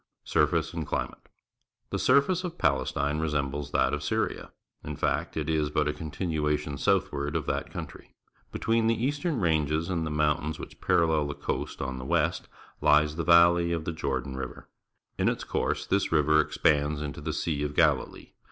Surface and Climate. — The smiace of Palestine resembles that of Syria; in fact, it is but a continuation southward of that A Caravan of Camels on the Jericho Road, Palestine coimtry. Between the eastern ranges and the mountains which parallel the coast on the west lies the valley of the Jordan River. In its course this ri \'er expands into the Sea of Galilee.